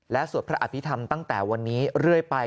สวดพระอภิษฐรรมตั้งแต่วันนี้เรื่อยไป